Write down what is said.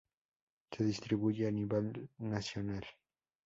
Se distribuye a nivel nacional.